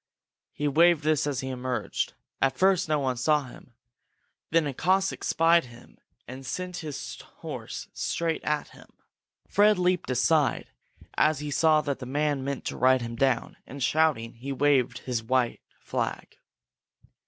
He waved this as he emerged. At first no one saw him. Then a Cossack spied him and sent his horse straight at him. Fred leaped aside as he saw that the man meant to ride him down, and, shouting, waved his white flag.